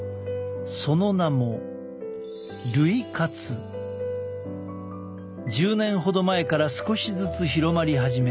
その名も１０年ほど前から少しずつ広まり始め